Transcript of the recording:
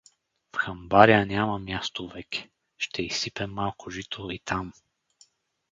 В хамбаря няма място веке, ще изсипем малко жито и там.